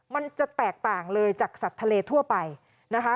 มันจะแตกต่างเลยจากสัตว์ทะเลทั่วไปนะคะ